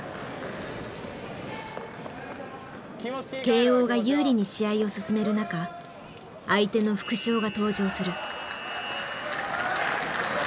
慶應が有利に試合を進める中相手の副将が登場する。